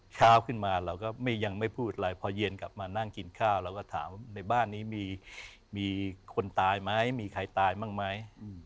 เช้าขึ้นมาเราก็ยังไม่พูดอะไรพอเย็นกลับมานั่งกินข้าวเราก็ถามในบ้านนี้มีคนตายไหมมีใครตายบ้างไหม